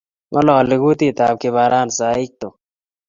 Ngololi kutitab kifaransaik Tom